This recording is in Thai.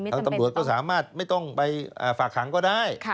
ตำรวจก็สามารถไม่ต้องไปฝากขังก็ได้